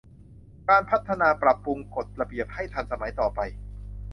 การพัฒนาปรับปรุงกฎระเบียบให้ทันสมัยต่อไป